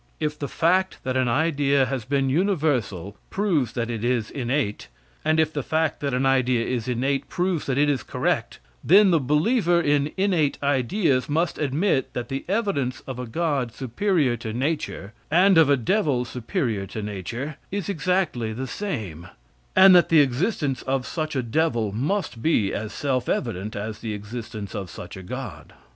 If the fact that an idea has been universal proves that it is innate, and if the fact that an idea is innate proves that it is correct, then the believer in innate ideas must admit that the evidence of a god superior to nature, and of a devil superior to nature, is exactly the same, and that the existence of such a devil must be as self evident as the existence of such a god.